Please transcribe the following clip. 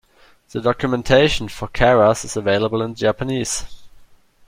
The documentation for Keras is available in Japanese.